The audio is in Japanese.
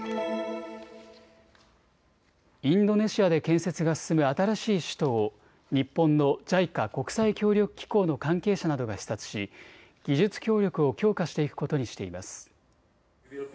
インドネシアで建設が進む新しい首都を日本のＪＩＣＡ・国際協力機構の関係者などが視察し技術協力を強化していくことにしています。